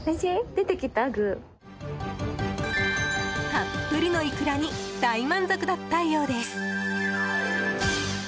たっぷりのイクラに大満足だったようです。